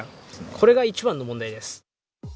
これが一番の問題です。